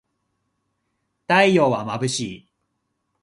太陽はまぶしい